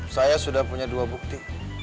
saya sudah punya dua bukti